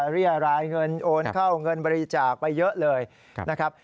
เรียกรายเงินโอนเข้าเงินบริจาคไปเยอะเลยนะครับ